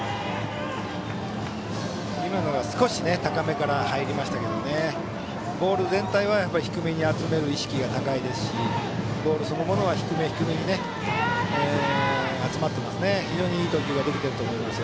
今の少し高めから入りましたがボール全体は低めに集める意識が高いですしボールそのものは低め低めに集まっています。